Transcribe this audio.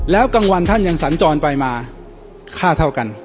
แล้วกลางวันท่านยังสัญจรไปมาค่าเท่ากัน